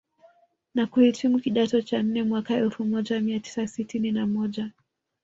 Na kuhitimu kidato cha nne mwaka elfu moja mia tisa sitini na moja